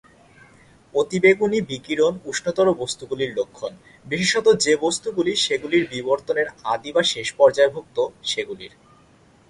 অতিবেগুনি বিকিরণ উষ্ণতর বস্তুগুলির লক্ষণ, বিশেষত যে বস্তুগুলি সেগুলির বিবর্তনের আদি বা শেষ পর্যায়ভুক্ত, সেগুলির।